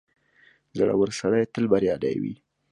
• زړور سړی تل بریالی وي.